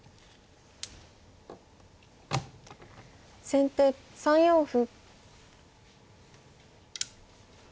先手３四歩。